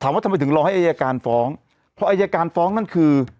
ว่าทำไมถึงรอให้อายการฟ้องเพราะอายการฟ้องนั่นคือ